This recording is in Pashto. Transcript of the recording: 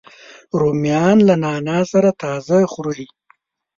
رومیان له نعناع سره تازه خوري